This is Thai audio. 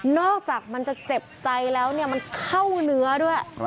มันจะเจ็บใจแล้วเนี่ยมันเข้าเนื้อด้วย